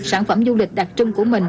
sản phẩm du lịch đặc trưng của mình